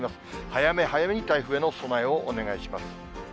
早め早めに台風への備えをお願いします。